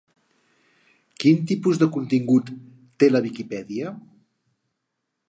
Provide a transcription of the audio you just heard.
Quin tipus de contingut té la Viquipèdia?